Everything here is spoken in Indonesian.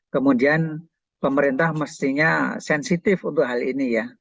kemudian pemerintah mestinya sensitif untuk hal ini ya